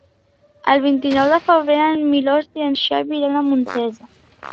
El vint-i-nou de febrer en Milos i en Xavi iran a Montesa.